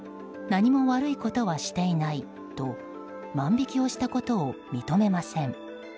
何も悪いことはしていないと万引きをしたことを認めません。